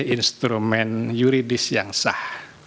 instrumen yuridis yang sah